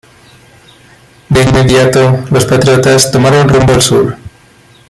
De inmediato, los patriotas tomaron rumbo al sur.